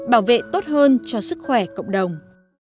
bảo vệ tốt hơn cho sức khỏe cộng đồng